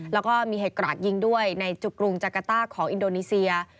แล้วก็มีเหตุกราดยิงด้วยในจุกกรุงจักรต้าของอินโดนีเซีย